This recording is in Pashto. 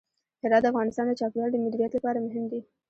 هرات د افغانستان د چاپیریال د مدیریت لپاره مهم دي.